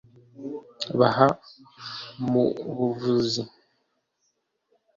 haba mu buvuzi